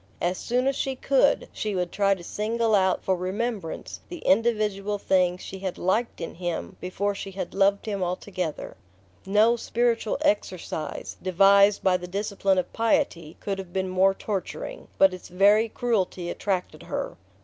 As soon as she could, she would try to single out for remembrance the individual things she had liked in him before she had loved him altogether. No "spiritual exercise" devised by the discipline of piety could have been more torturing; but its very cruelty attracted her.